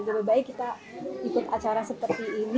lebih baik kita ikut acara seperti ini